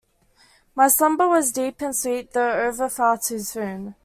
My slumber was deep and sweet, though over far too soon.